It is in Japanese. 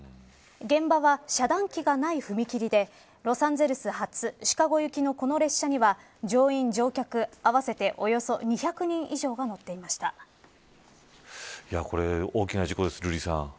現場は遮断機がない踏切でロサンゼルス発シカゴ行きのこの列車には乗員、乗客合わせておよそ２００人以上がこれ、大きな事故です。